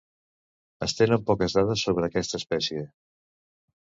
Es tenen poques dades sobre aquesta espècie.